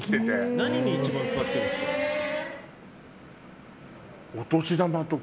何に一番使ってるんですか？